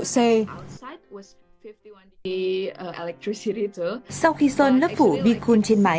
sau khi sơn lớp phủ bi cun trên mái